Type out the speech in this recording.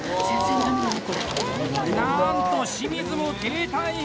なんと清水も停滞！